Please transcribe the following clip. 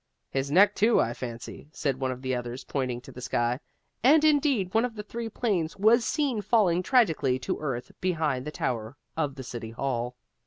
"His neck too, I fancy," said one of the others, pointing to the sky, and indeed one of the three planes was seen falling tragically to earth behind the tower of the City Hall.